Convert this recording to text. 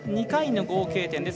２回の合計点。